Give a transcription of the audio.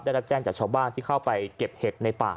ได้รับแจ้งจากชาวบ้านที่เข้าไปเก็บเห็ดในป่า